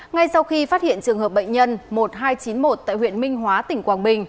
ngay sau khi phát hiện trường hợp bệnh nhân một nghìn hai trăm chín mươi một tại huyện minh hóa tỉnh quảng bình